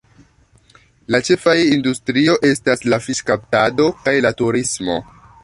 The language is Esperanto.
La ĉefaj industrio estas la fiŝkaptado kaj la turismo.